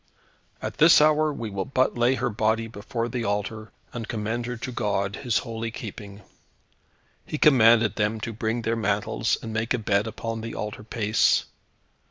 "At this hour we will but lay her body before the altar, and commend her to God His holy keeping." He commanded them to bring their mantles and make a bed upon the altar pace.